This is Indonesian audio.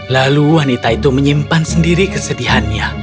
lalu wanita itu menyimpan sendiri kesedihannya